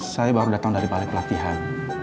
saya baru datang dari balai pelatihan